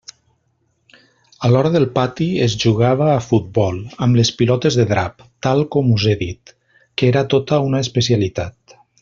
A l'hora del pati es jugava a futbol, amb les pilotes de drap, tal com us he dit, que era tota una especialitat.